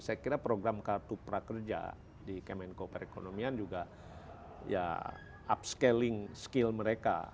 saya kira program kartu prakerja di kemenko perekonomian juga ya upscaling skill mereka